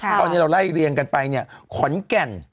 ตอนนี้เราไล่เรียงกันไปขนแก่น